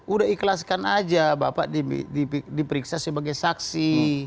udah ikhlaskan aja bapak diperiksa sebagai saksi